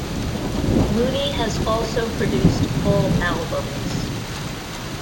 Moody has also produced full albums.